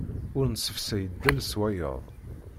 Ur nessefsay ddel s wayeḍ.